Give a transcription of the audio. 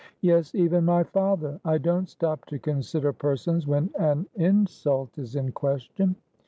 "Yes, even my father, I don't stop to consider per sons when an insult is in question."